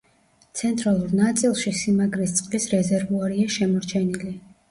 ცენტრალურ ნაწილში სიმაგრის წყლის რეზერვუარია შემორჩენილი.